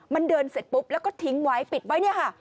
มันเดินเสร็จปุ๊บแล้วก็ทิ้งไว้ปิดไว้เนี่ยค่ะ